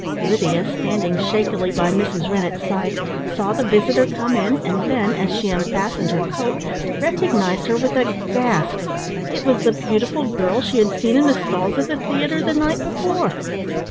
Lydia, standing shakily by Mrs. Rennett's side, saw the visitor come in, and then, as she unfastened her coat, recognised her with a gasp. It was the beautiful girl she had seen in the stalls of the theatre the night before!